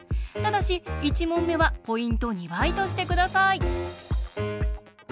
ただし１問目はポイント２倍として下さい。